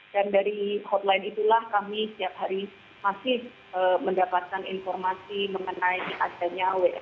dan dari hotline itulah kami setiap hari masih mendapatkan informasi mengenai asetnya